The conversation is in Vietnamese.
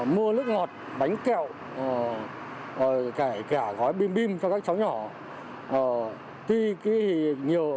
mua nước ngọt bánh kẹo kẻ gói bim bim cho các cháu nhỏ